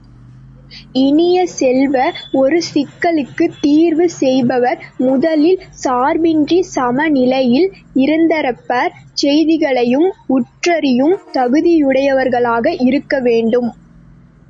இனிய செல்வ, ஒரு சிக்கலுக்குத் தீர்வு செய்பவர் முதலில் சார்பின்றி, சமநிலையில் இருதரப்பார் செய்திகளையும் உற்றறியும் தகுதியுடையவர்களாக இருக்கவேண்டும்.